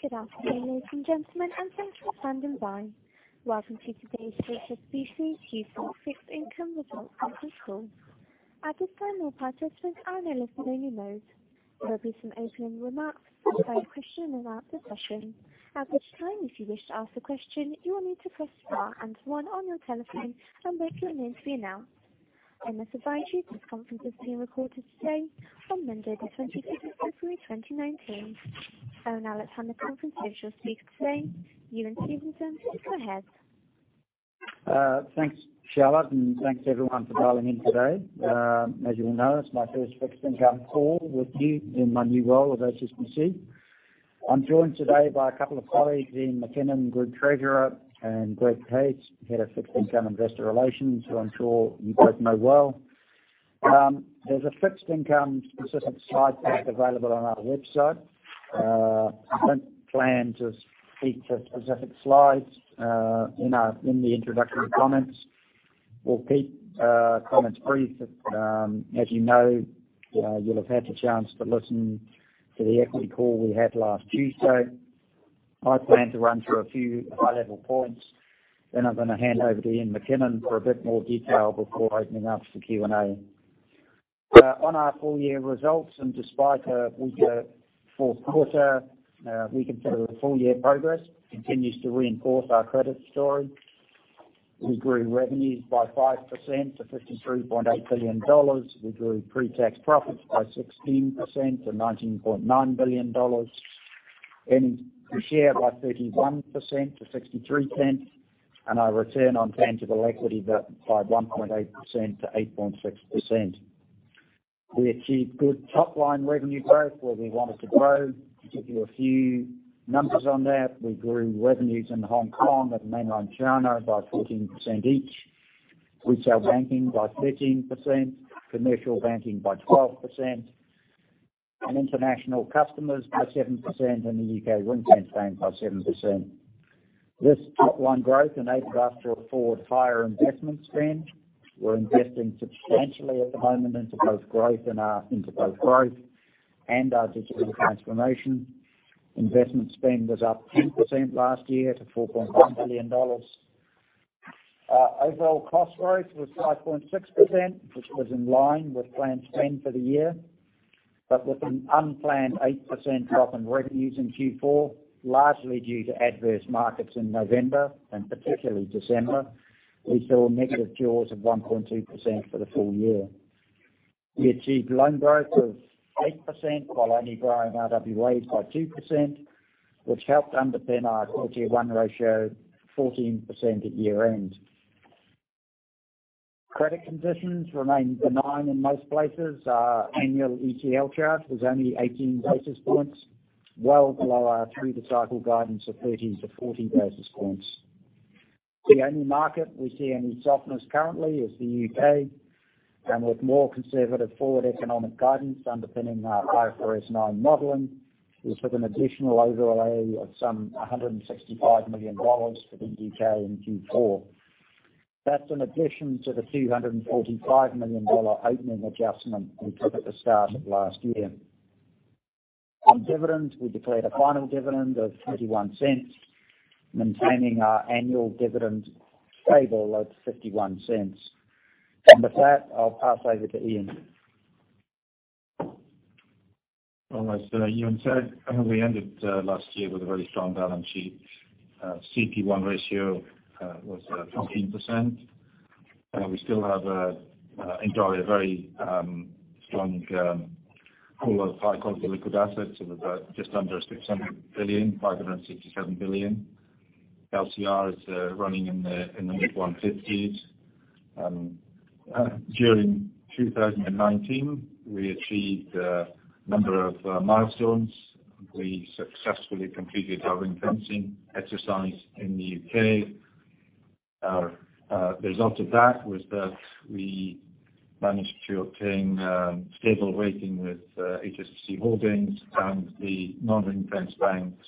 Good afternoon, ladies and gentlemen, and thanks for standing by. Welcome to today's HSBC Q4 fixed income results call. At this time, all participants are in a listen-only mode. There will be some opening remarks, a question and answer session. At which time, if you wish to ask a question, you will need to press star and one on your telephone, and wait for your name to be announced. I must advise you this conference is being recorded today on Monday the 25th of February 2019. Now let's hand the conference over to your speaker today, Ewen Stevenson. Go ahead. Thanks, Charlotte, and thanks everyone for dialing in today. As you will know, it's my first fixed income call with you in my new role of HSBC. I am joined today by a couple of colleagues, Iain MacKinnon, Group Treasurer, and Greg Case, Head of Fixed Income Investor Relations, who I am sure you both know well. There is a fixed income consistent slide pack available on our website. I do not plan to speak to specific slides in the introductory comments. We will keep comments brief. As you know, you will have had the chance to listen to the equity call we had last Tuesday. I plan to run through a few high-level points, I am going to hand over to Iain MacKinnon for a bit more detail before opening up for Q&A. On our full-year results, despite a weaker fourth quarter, we consider the full-year progress continues to reinforce our credit story. We grew revenues by 5% to $53.8 billion. We grew pre-tax profits by 16% to $19.9 billion, earnings per share by 31% to $0.63, and our return on tangible equity by 1.8% to 8.6%. We achieved good top-line revenue growth where we wanted to grow. To give you a few numbers on that, we grew revenues in Hong Kong and mainland China by 14% each, retail banking by 13%, commercial banking by 12%, and international customers by 7% in the U.K. wholesale by 7%. This top-line growth enabled us to afford higher investment spend. We are investing substantially at the moment into both growth and our digital transformation. Investment spend was up 10% last year to $4.1 billion. Overall cost growth was 5.6%, which was in line with planned spend for the year. With an unplanned 8% drop in revenues in Q4, largely due to adverse markets in November and particularly December, we saw a negative jaws of 1.2% for the full year. We achieved loan growth of 8%, while only growing RWAs by 2%, which helped underpin our CT1 ratio 14% at year-end. Credit conditions remain benign in most places. Our annual ECL charge was only 18 basis points, well below our through-the-cycle guidance of 30 to 40 basis points. The only market we see any softness currently is the U.K., with more conservative forward economic guidance underpinning our IFRS 9 modeling, this is an additional overlay of some $165 million for the U.K. in Q4. That is in addition to the $245 million opening adjustment we took at the start of last year. On dividends, we declared a final dividend of $0.31, maintaining our annual dividend stable at $0.51. With that, I'll pass over to Iain. As Ewen said, we ended last year with a very strong balance sheet. CT1 ratio was 14%, and we still have in total a very strong pool of high-quality liquid assets of just under $600 billion, $567 billion. LCR is running in the 150s. During 2019, we achieved a number of milestones. We successfully completed our ring-fencing exercise in the U.K. A result of that was that we managed to obtain stable weighting with HSBC Holdings, and the non-ring-fenced banks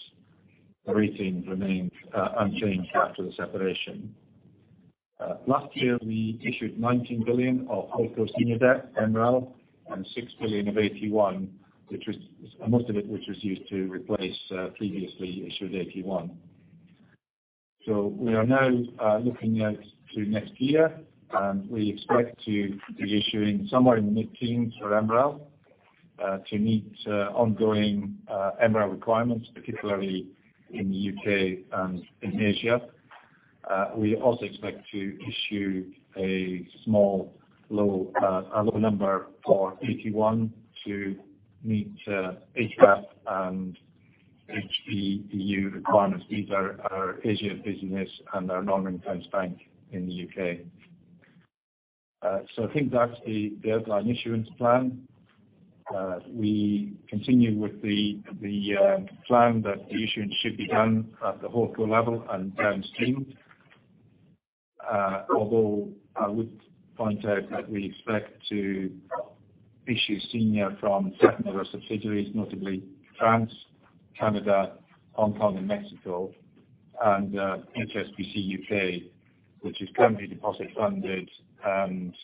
ratings remained unchanged after the separation. Last year, we issued $19 billion of wholesale senior debt, MREL, and $6 billion of AT1, most of it which was used to replace previously issued AT1. We are now looking out to next year, and we expect to be issuing somewhere in mid-teen for MREL, to meet ongoing MREL requirements, particularly in the U.K. and in Asia. We also expect to issue a small, low number for AT1 to meet HBAP and HBEU requirements. These are our Asia business and our non-ring-fenced bank in the U.K. I think that's the outline issuance plan. We continue with the plan that the issuance should be done at the wholesale level and down-stream. Although I would point out that we expect to issue senior from certain of our subsidiaries, notably France, Canada, Hong Kong, and Mexico. HSBC UK, which is currently deposit funded, and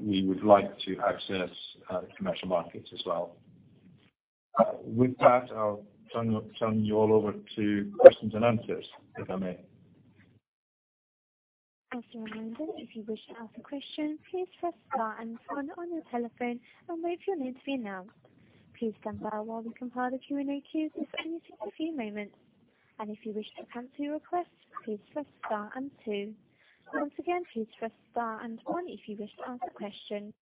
we would like to access commercial markets as well. With that, I'll turn you all over to questions and answers, if I may. As a reminder, if you wish to ask a question, please press star and one on your telephone and wait for your name to be announced. Please stand by while we compile the Q&A queues. This will only take a few moments. If you wish to cancel your request, please press star and two. Once again, please press star and one if you wish to ask a question.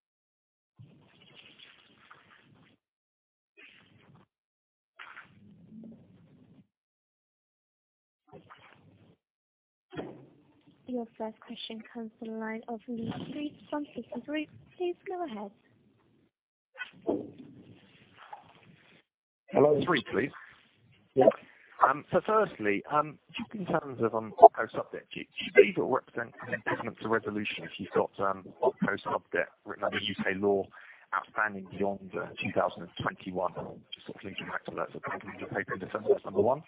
Your first question comes to the line of Lee Street from Citigroup. Please go ahead. Hello, Street please. Yeah. Firstly, two concerns of opco sub debt. Do you believe it represents an impediment to resolution if you've got opco sub debt written under U.K. law outstanding beyond 2021? Just linking back to that. Probably your paper in a sense, that's number one.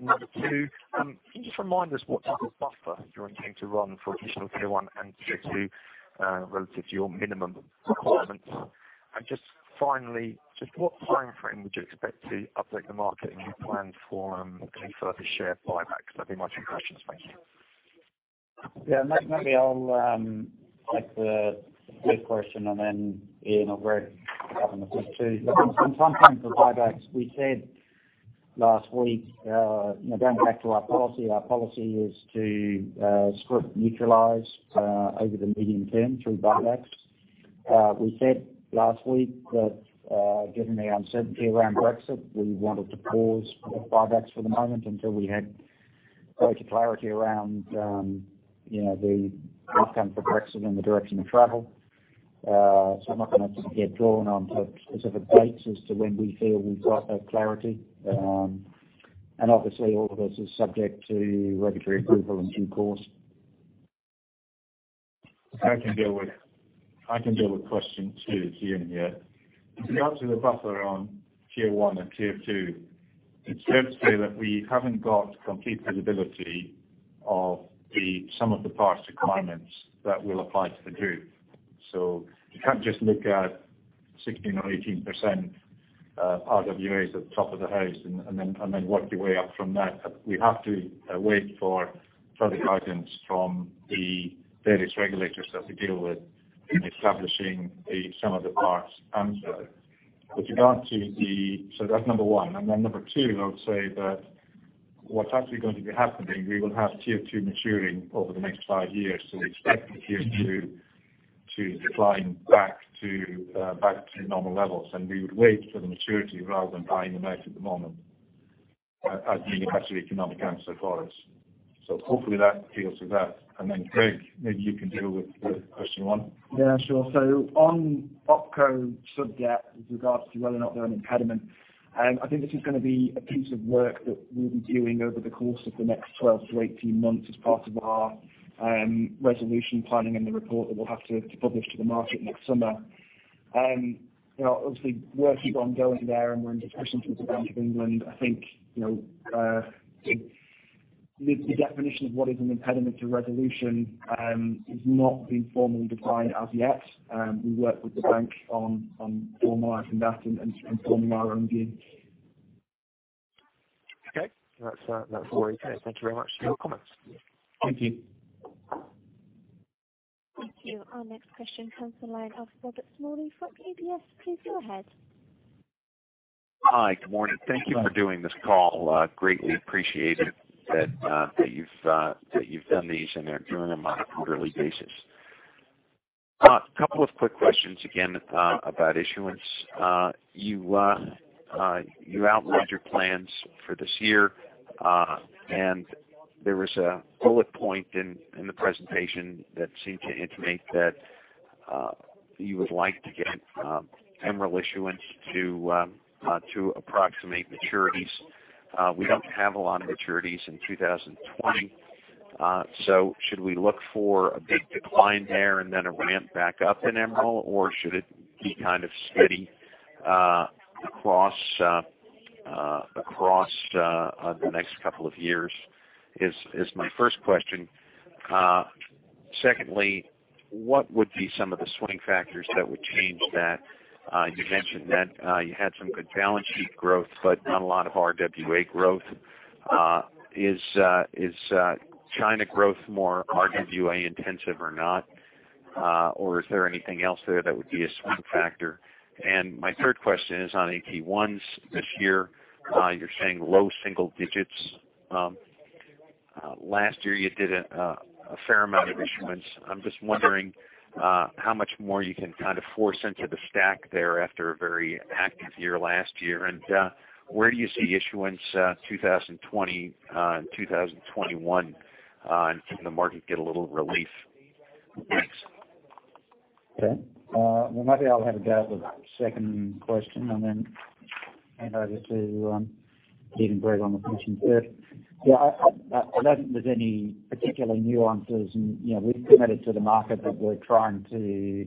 Number 2, can you just remind us what type of buffer you're intending to run for Additional Tier 1 and Tier 2 relative to your minimum requirements? Just finally, just what timeframe would you expect to update the market on your plans for any further share buybacks? That'd be my two questions. Thank you. Yeah. Maybe I'll take the first question and then Iain or Greg can cover number 2. The timeframe for buybacks, we said last week, going back to our policy, our policy is to script neutralize over the medium term through buybacks. We said last week that given the uncertainty around Brexit, we wanted to pause buybacks for the moment until we had greater clarity around the outcome for Brexit and the direction of travel. I'm not going to get drawn on to specific dates as to when we feel we've got that clarity. Obviously all of this is subject to regulatory approval in due course. I can deal with question two, Iain here. With regards to the buffer on Tier 1 and Tier 2, it's fair to say that we haven't got complete visibility of some of the parts requirements that will apply to the group. You can't just look at 16 or 18% RWAs at the top of the house and then work your way up from that. We have to wait for further guidance from the various regulators that we deal with in establishing some of the parts answer. That's number 1. Number 2, I would say that what's actually going to be happening, we will have Tier 2 maturing over the next five years. We expect Tier 2 to decline back to normal levels. We would wait for the maturity rather than buying them out at the moment, as being the better economic answer for us. Hopefully that appeals to that. Then, Greg, maybe you can deal with question one. Yeah, sure. On opco sub debt, with regards to whether or not they're an impediment, I think this is going to be a piece of work that we'll be doing over the course of the next 12 to 18 months as part of our resolution planning and the report that we'll have to publish to the market next summer. Obviously, work is ongoing there and we're in discussions with the Bank of England. I think, the definition of what is an impediment to resolution has not been formally defined as yet. We work with the bank on formalizing that and forming our own view. Okay. That's all. Thank you very much for your comments. Thank you. Thank you. Our next question comes to the line of Robert Smalley from UBS. Please go ahead. Hi. Good morning. Thank you for doing this call. Greatly appreciated that you've done these and are doing them on a quarterly basis. A couple of quick questions again about issuance. You outlined your plans for this year. There was a bullet point in the presentation that seemed to intimate that you would like to get MREL issuance to approximate maturities. We don't have a lot of maturities in 2020. Should we look for a big decline there and then a ramp back up in MREL, or should it be kind of steady across the next couple of years? Is my first question. Secondly, what would be some of the swing factors that would change that? You mentioned that you had some good balance sheet growth, but not a lot of RWA growth. Is China growth more RWA intensive or not? Is there anything else there that would be a swing factor? My third question is on AT1 this year. You're saying low single digits. Last year you did a fair amount of issuance. I'm just wondering how much more you can kind of force into the stack there after a very active year last year. Where do you see issuance 2020, 2021? Can the market get a little relief? Thanks. Okay. Well maybe I'll have a go at the second question and then hand over to Iain and Greg on the first and third. Yeah, I don't think there's any particular nuances. We've committed to the market that we're trying to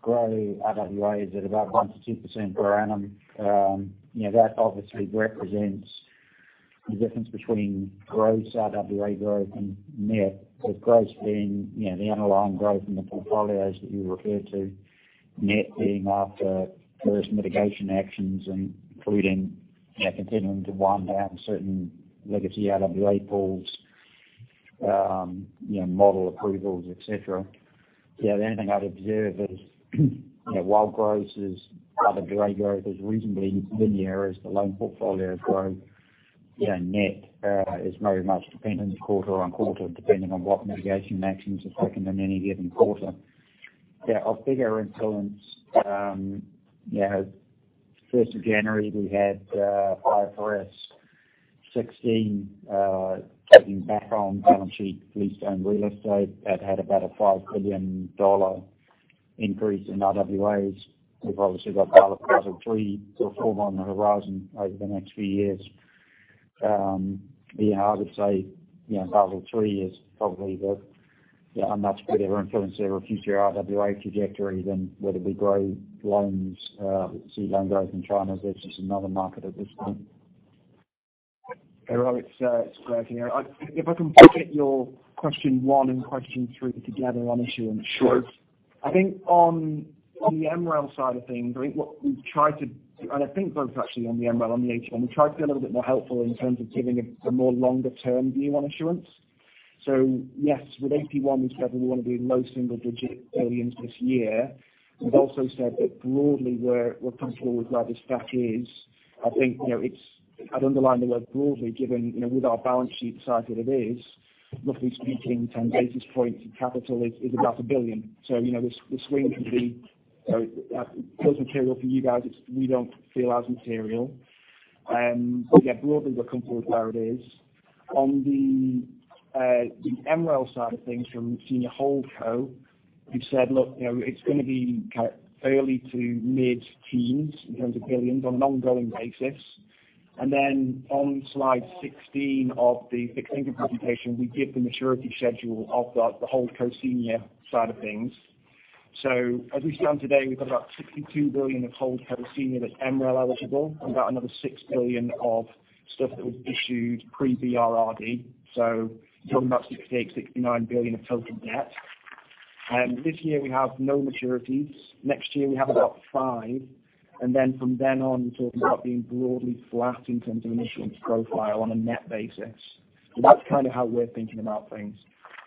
grow RWAs at about 1%-2% per annum. That obviously represents the difference between gross RWA growth and net, with gross being the underlying growth in the portfolios that you referred to, net being after various mitigation actions, including continuing to wind down certain legacy RWA pools, model approvals, et cetera. The only thing I'd observe is while gross is RWA growth is reasonably linear as the loan portfolio growth, net is very much dependent quarter on quarter, depending on what mitigation actions are taken in any given quarter. Of bigger influence, first of January, we had IFRS 16 kicking back on balance sheet leased own real estate. That had about a $5 billion increase in RWAs. We've obviously got Basel III reform on the horizon over the next few years. I would say Basel III is probably the much bigger influencer of future RWA trajectory than whether we grow loans, see loan growth in China, which is another market at this point. Hey, Rob, it's Greg here. If I can bucket your question one and question three together on issuance. Sure. I think on the MREL side of things, I think what we've tried to do, and I think both actually on the MREL, on the AT1, we tried to be a little bit more helpful in terms of giving a more longer-term view on issuance. Yes, with AT1, we said we want to be in low single-digit billions this year. We've also said that broadly we're comfortable with where this stack is. I think I'd underline the word broadly, given with our balance sheet the size that it is, roughly speaking, 10 basis points of capital is about $1 billion. The swing could be It doesn't material for you guys. We don't feel as material. Yeah, broadly we're comfortable where it is. On the MREL side of things from senior holdco, we've said, look, it's going to be early to mid-teens in terms of billions on an ongoing basis. On slide 16 of the Q&A presentation, we give the maturity schedule of the holdco senior side of things. As we stand today, we've got about $62 billion of holdco senior that's MREL eligible and about another $6 billion of stuff that was issued pre-BRRD. Talking about $68 billion-$69 billion of total debt. This year we have no maturities. Next year we have about five. From then on, talking about being broadly flat in terms of issuance profile on a net basis. That's how we're thinking about things.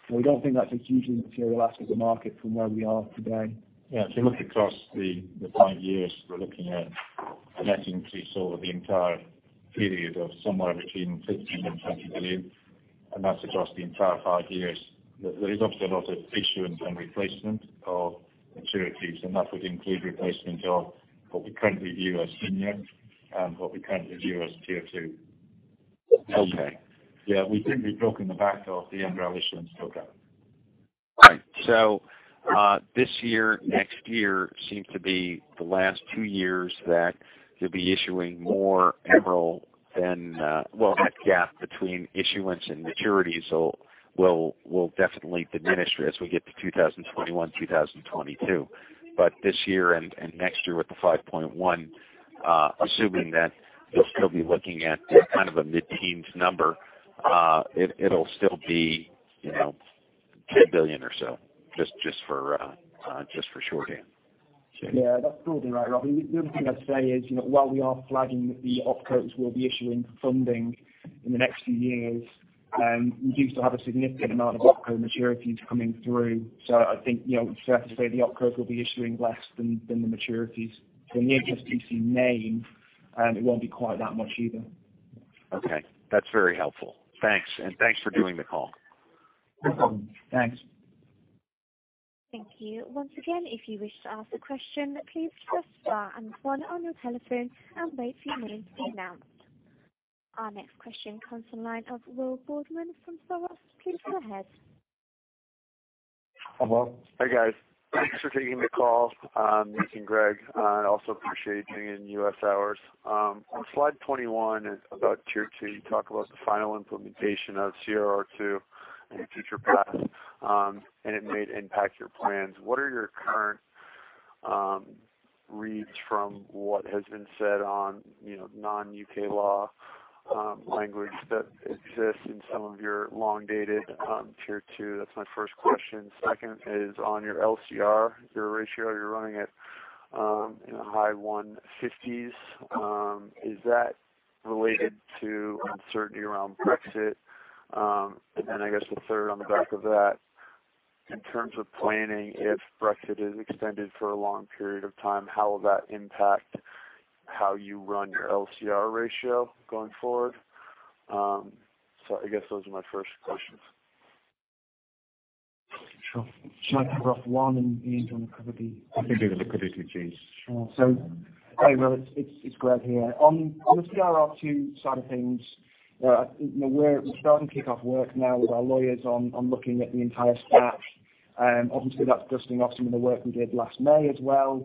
We don't think that's a hugely material ask of the market from where we are today. If you look across the 5 years, we are looking at a net increase over the entire period of somewhere between $15 billion and $20 billion, and that is across the entire 5 years. There is obviously a lot of issuance and replacement of maturities, and that would include replacement of what we currently view as senior and what we currently view as Tier 2. Okay. We think we have broken the back of the MREL issuance program. This year, next year seems to be the last two years that you will be issuing more MREL than that gap between issuance and maturities will definitely diminish as we get to 2021, 2022. This year and next year with the 5.1, assuming that you will still be looking at a mid-teens number, it will still be $10 billion or so, just for shorthand. That is broadly right, Robbie. The only thing I would say is, while we are flagging that the OpCos will be issuing for funding in the next few years, we do still have a significant amount of OpCo maturities coming through. I think it is fair to say the OpCos will be issuing less than the maturities. When you just see net, it will not be quite that much either. Okay. That's very helpful. Thanks. Thanks for doing the call. No problem. Thanks. Thank you. Once again, if you wish to ask a question, please press star and one on your telephone and wait for your name to be announced. Our next question comes from the line of Will Boardman from Soros. Please go ahead. Hi, Will. Hi, guys. Thanks for taking the call. This is Greg. I also appreciate you doing it in U.S. hours. On slide 21, about Tier 2, you talk about the final implementation of CRR2 in the future past. It may impact your plans. What are your current reads from what has been said on non-U.K. law language that exists in some of your long-dated Tier 2? That's my first question. Second is on your LCR, your ratio, you're running it in the high 150s. Is that related to uncertainty around Brexit? I guess the third on the back of that, in terms of planning, if Brexit is extended for a long period of time, how will that impact how you run your LCR ratio going forward? I guess those are my first questions. Sure. Do you want to cover off one, and Iain can cover the- I can do the liquidity piece. Sure. Hey, Will, it's Greg here. On the CRR2 side of things, we're starting to kick off work now with our lawyers on looking at the entire stack. Obviously, that's dusting off some of the work we did last May as well.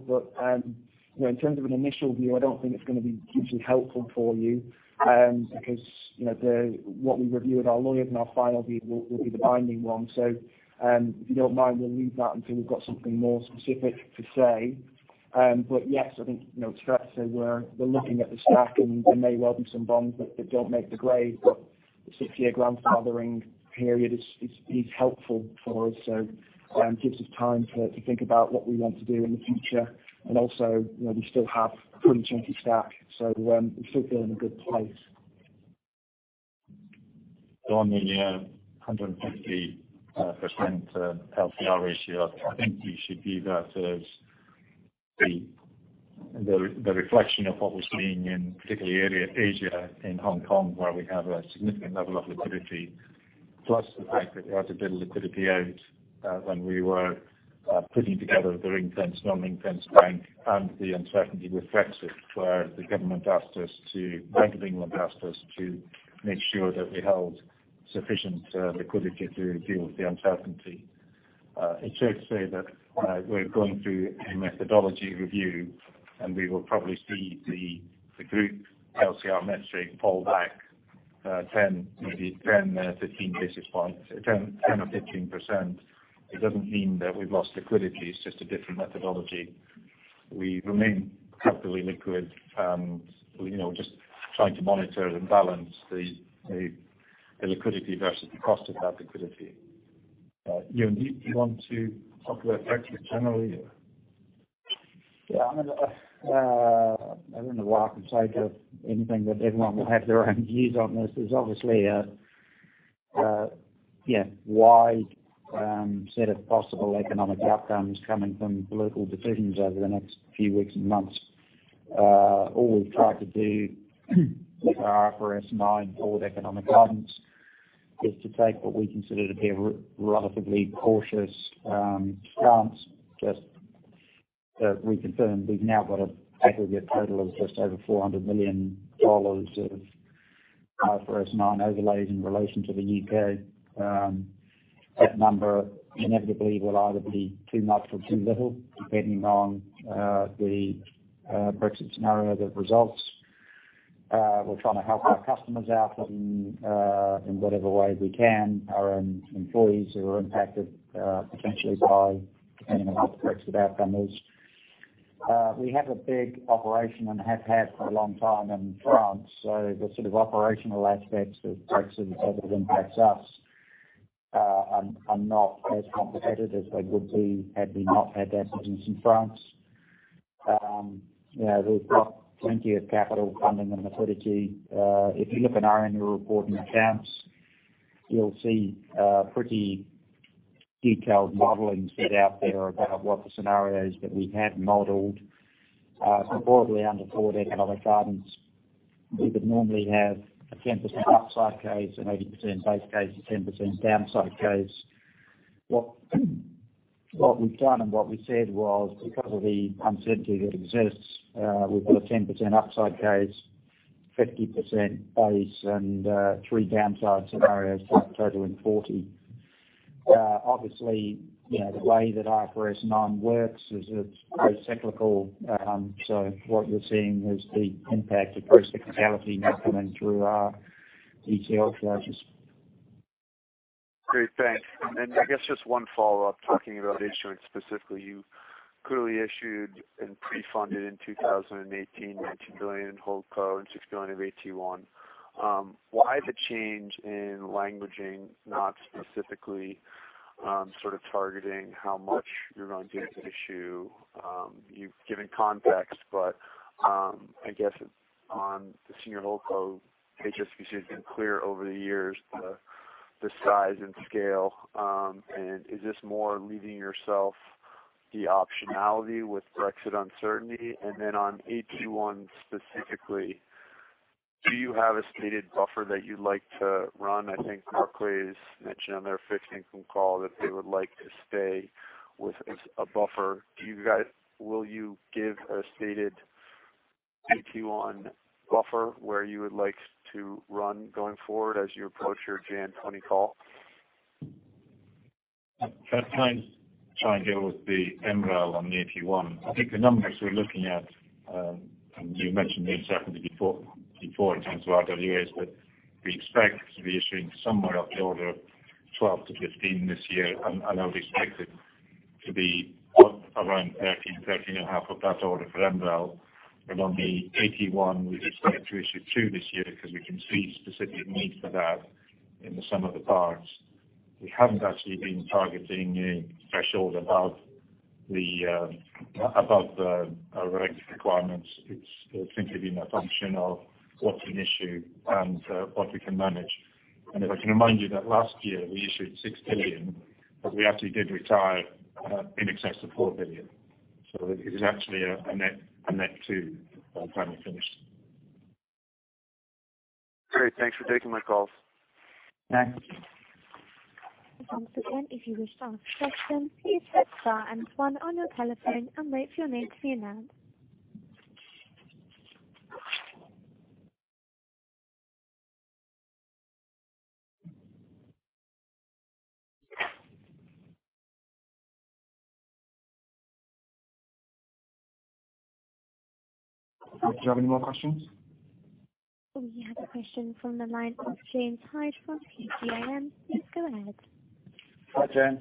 In terms of an initial view, I don't think it's going to be hugely helpful for you. Because what we review with our lawyers and our final view will be the binding one. If you don't mind, we'll leave that until we've got something more specific to say. Yes, I think it's fair to say we're looking at the stack and there may well be some bonds that don't make the grade. The six-year grandfathering period is helpful for us. It gives us time to think about what we want to do in the future. Also, we still have a pretty chunky stack, so we still feel in a good place. On the 150% LCR ratio, I think you should view that as the reflection of what we're seeing in particularly Asia, in Hong Kong, where we have a significant level of liquidity, plus the fact that we had a bit of liquidity out when we were putting together the ring-fenced, non-ring-fenced bank, and the uncertainty with Brexit, where the Bank of England asked us to make sure that we held sufficient liquidity to deal with the uncertainty. It's safe to say that we're going through a methodology review, and we will probably see the group LCR metric fall back 10, maybe 10, 15 basis points, 10% or 15%. It doesn't mean that we've lost liquidity. It's just a different methodology. We remain happily liquid, and we're just trying to monitor and balance the liquidity versus the cost of that liquidity. Ewen, do you want to talk about Brexit generally? Yeah. I don't know why I can say anything that everyone will have their own views on this. There's obviously a wide set of possible economic outcomes coming from political decisions over the next few weeks and months. All we've tried to do with our IFRS 9 forward economic guidance is to take what we consider to be a relatively cautious stance. Just to reconfirm, we've now got an aggregate total of just over $400 million of IFRS 9 overlays in relation to the U.K. That number inevitably will either be too much or too little, depending on the Brexit scenario that results. We're trying to help our customers out in whatever way we can. Our own employees who are impacted potentially by depending on what the Brexit outcome is. We have a big operation and have had for a long time in France, so the sort of operational aspects of Brexit as it impacts us are not as complicated as they would be had we not had that presence in France. We've got plenty of capital funding and liquidity. If you look in our annual report and accounts, you'll see a pretty detailed modeling spread out there about what the scenarios that we had modeled. Broadly under forward economic guidance, we would normally have a 10% upside case, an 80% base case, a 10% downside case. What we've done and what we said was, because of the uncertainty that exists, we've got a 10% upside case, 50% base, and three downside scenarios that are totaling 40. Obviously, the way that IFRS 9 works is it's very cyclical. What you're seeing is the impact of procyclicality now coming through our ECL charges. Great, thanks. I guess just one follow-up, talking about issuance specifically. You clearly issued and pre-funded in 2018, $19 billion in holdco and $6 billion of AT1. Why the change in languaging, not specifically targeting how much you're going to issue? You've given context, but I guess on the senior holdco, HSBC has been clear over the years the size and scale. Is this more leaving yourself the optionality with Brexit uncertainty? Then on AT1 specifically, do you have a stated buffer that you'd like to run? I think Barclays mentioned on their fixed income call that they would like to stay with a buffer. Will you give a stated AT1 buffer where you would like to run going forward as you approach your January 20 call? If I try and deal with the MREL on the AT1. I think the numbers we're looking at, and you mentioned the uncertainty before in terms of RWAs, but we expect to be issuing somewhere of the order of 12-15 this year, I would expect it to be around 13.5 of that order for MREL. On the AT1, we expect to issue two this year because we can see specific need for that in the sum of the parts. We haven't actually been targeting a threshold above our regulatory requirements. It's simply been a function of what's been issued and what we can manage. If I can remind you that last year we issued $6 billion, but we actually did retire in excess of $4 billion. It is actually a net two by the time we're finished. Great. Thanks for taking my calls. Thanks. Once again, if you wish to ask a question, please press star and one on your telephone and wait for your name to be announced. Do you have any more questions? We have a question from the line of James Hyde from PGIM. Please go ahead. Hi, James?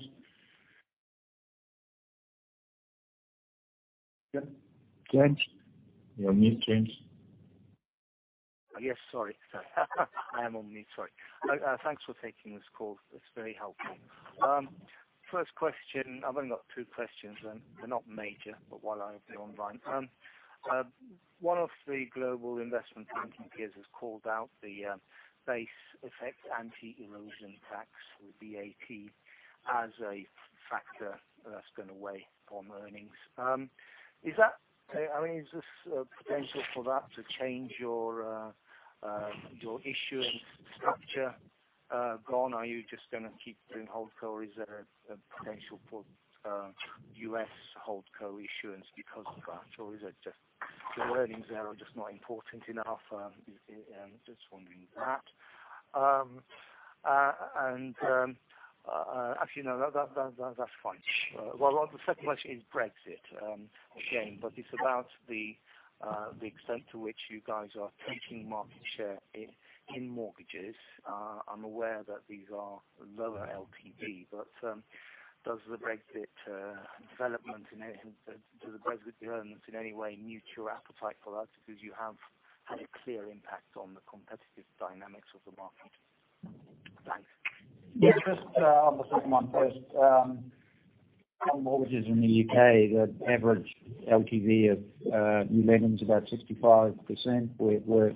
You're on mute, James. Yes. Sorry. I am on mute. Sorry. Thanks for taking this call. It's very helpful. First question, I've only got two questions, and they're not major, but while I have you online. One of the global investment banking peers has called out the Base Erosion and Anti-abuse Tax, or BEAT, as a factor that's going to weigh on earnings. Is this potential for that to change your issuing structure gone? Are you just going to keep doing holdco? Is there a potential for U.S. holdco issuance because of that, or is it just your earnings there are just not important enough? I'm just wondering that. Actually, no, that's fine. The second question is Brexit again, but it's about the extent to which you guys are taking market share in mortgages. I'm aware that these are lower LTV. Does the Brexit developments in any way mute your appetite for that? You have had a clear impact on the competitive dynamics of the market. Thanks. Just on the second one first. On mortgages in the U.K., the average LTV of new lending is about 65%. We're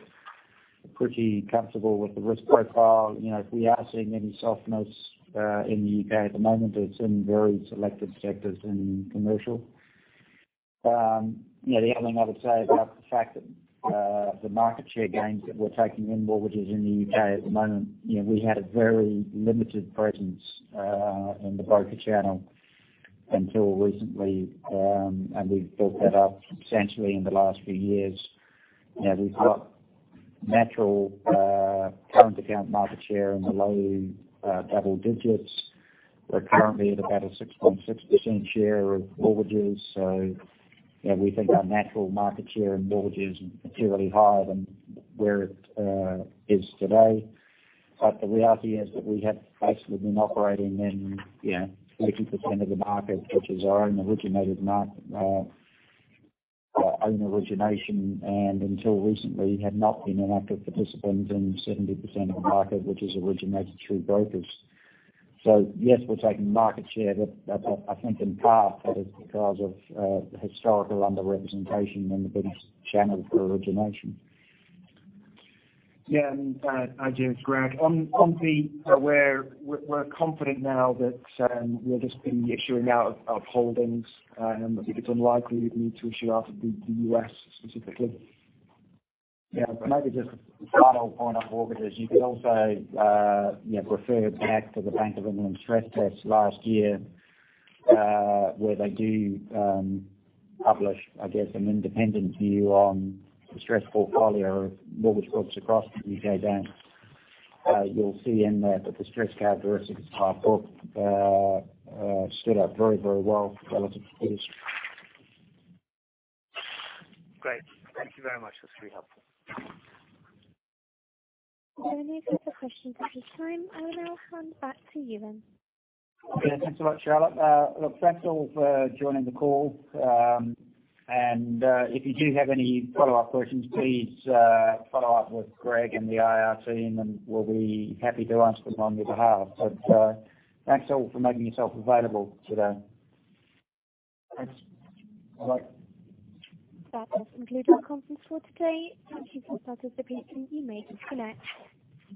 pretty comfortable with the risk profile. If we are seeing any softness in the U.K. at the moment, it's in very selective sectors in commercial. The other thing I would say about the fact that the market share gains that we're taking in mortgages in the U.K. at the moment, we had a very limited presence in the broker channel until recently, and we've built that up substantially in the last few years. We've got natural current account market share in the low double digits. We're currently at about a 6.6% share of mortgages. We think our natural market share in mortgages is materially higher than where it is today. The reality is that we have basically been operating in 80% of the market, which is our own origination, and until recently had not been an active participant in 70% of the market, which is originated through brokers. Yes, we're taking market share, but I think in part that is because of historical underrepresentation in the biggest channel for origination. Hi, James. Greg. On the AT1, we're confident now that we'll just be issuing out of holdings, and it's unlikely we'd need to issue out of the U.S. specifically. Maybe just a final point on mortgages. You could also refer back to the Bank of England stress tests last year, where they do publish, I guess, an independent view on the stress portfolio of mortgage books across the U.K. banks. You'll see in there that the stress characteristics of our book stood up very well relative to peers. Great. Thank you very much. That's very helpful. There are no further questions at this time. I will now hand back to you then. Yeah. Thanks a lot, Charlotte. Look, thanks all for joining the call. If you do have any follow-up questions, please follow up with Greg and the IR team. We'll be happy to answer them on your behalf. Thanks all for making yourself available today. Thanks. Bye. That does conclude our conference for today. Thank you for participating. You may disconnect.